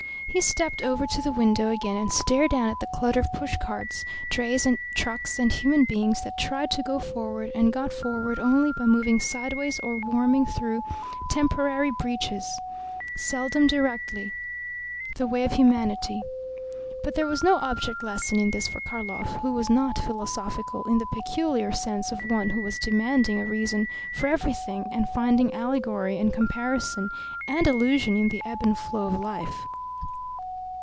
He stepped over to the window again and stared down at the clutter of pushcarts, drays, trucks, and human beings that tried to go forward and got forward only by moving sideways or worming through temporary breaches, seldom directly the way of humanity. But there was no object lesson in this for Karlov, who was not philosophical in the peculiar sense of one who was demanding a reason for everything and finding allegory and comparison and allusion in the ebb and flow of life.